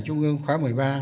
trung ương khóa một mươi ba